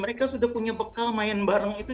mereka sudah punya bekal main bareng itu